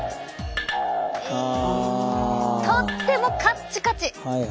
とってもカッチカチ！